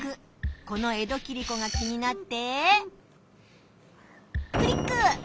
この「江戸切子」が気になってクリック！